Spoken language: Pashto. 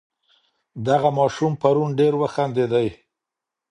دغه ماشوم پرون ډېر وخندېدی.